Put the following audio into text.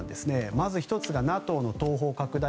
まず１つがＮＡＴＯの東方拡大。